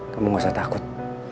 kamu gak usah takut